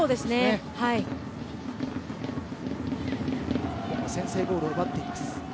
日本、先制ゴールを奪っています。